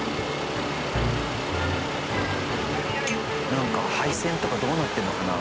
なんか配線とかどうなってるのかな？